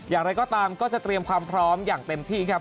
อย่างไรก็ตามก็จะเตรียมความพร้อมอย่างเต็มที่ครับ